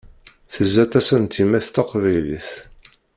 Tezza tasa n tyemmat taqbaylit.